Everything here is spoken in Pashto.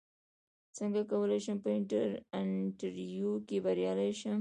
څنګه کولی شم په انټرویو کې بریالی شم